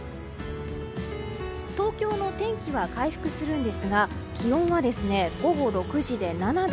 東京の天気は回復するんですが気温は午後６時で７度。